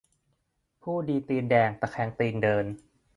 ผู้ดีตีนแดง ตะแคงตีนเดิน